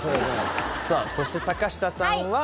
さあそして坂下さんは。